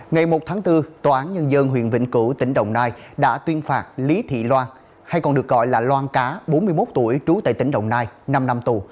ngày một tháng bốn tòa án nhân dân huyện vĩnh cửu tỉnh đồng nai đã tuyên phạt lý thị loan hay còn được gọi là loan cá bốn mươi một tuổi trú tại tỉnh đồng nai năm năm tù